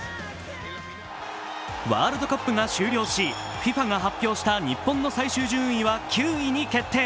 ワールドカップが終了し、ＦＩＦＡが発表した日本の最終順位は９位に決定。